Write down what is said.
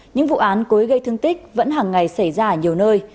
những vụ án cối gây thương tích vẫn hàng ngày xảy ra ở nhiều nơi